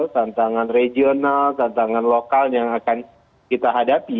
tantangan regional tantangan lokal yang akan kita hadapi